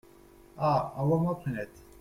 Ah ! envoie-moi Prunette !…